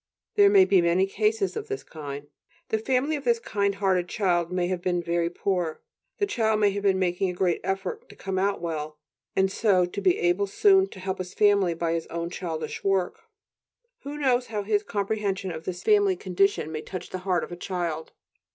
There are many cases of this kind: the family of this kind hearted child may have been very poor, and the child may have been making a great effort to come out well, and so to be able soon to help his family by his own childish work; who knows how his comprehension of this family condition may touch the heart of a child?